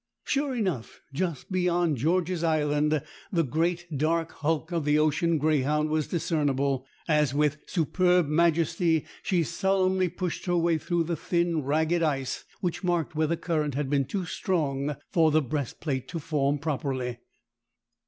Sure enough, just beyond George's Island the great dark hull of the ocean greyhound was discernible, as with superb majesty she solemnly pushed her way through the thin, ragged ice which marked where the current had been too strong for the breastplate to form properly.